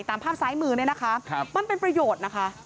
ตามภาพซ้ายมือมันเป็นประโยชน์นะคะ